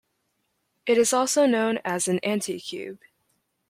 It is also known as an "anticube".